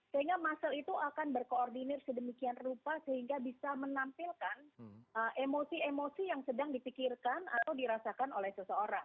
sehingga muscle itu akan berkoordinir sedemikian rupa sehingga bisa menampilkan emosi emosi yang sedang dipikirkan atau dirasakan oleh seseorang